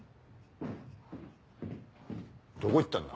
どこ行ったんだ？